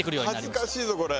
恥ずかしいぞこれ。